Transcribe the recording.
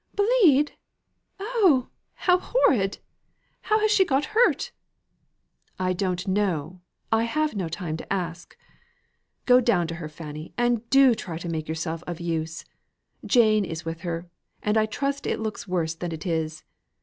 "Bleed! oh, how horrid! How has she got hurt?" "I don't know, I have no time to ask. Go down to her, Fanny, and do try to make yourself of use. Jane is with her; and I trust it looks worse than it is.